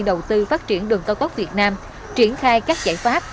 đầu tư phát triển đường cao tốc việt nam triển khai các giải pháp